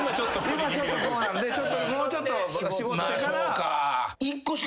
今ちょっとこうなんでもうちょっと絞ってから。